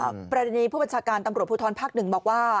ประเด็นนี้ผู้บัญชาการตำรวจภูทรภาคหนึ่งบอกว่า